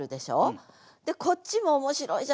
でこっちも面白いじゃないですか。